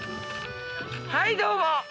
はいどうも。